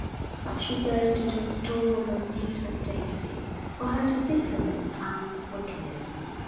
But she burst into a storm of abuse of Daisy, for her deceitfulness and wickedness.